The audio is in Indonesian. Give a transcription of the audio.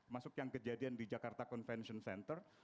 masuk yang kejadian di jakarta convention center